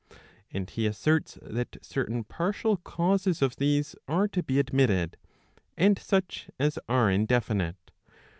And he asserts that certain partial causes of these are to be admitted, and such as are indefinite.